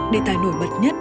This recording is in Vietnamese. đề tài nổi bật nhất